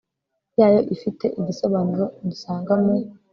yayo ifite igisobanuro dusanga mu